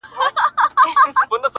• د مرگي راتلو ته؛ بې حده زیار باسه؛